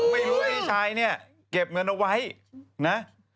ไม่รู้ว่าพี่ชายเนี่ยเก็บเงินเอาไว้นะ